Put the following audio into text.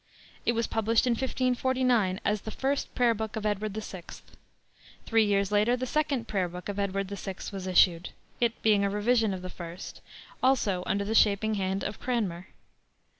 It was published in 1549 as the First Prayer Book of Edward VI. Three years later the Second Prayer Book of Edward VI was issued, it being a revision of the First, also under the shaping hand of Cranmer.